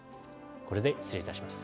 これで失礼いたします。